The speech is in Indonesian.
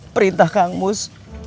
perintah kang mus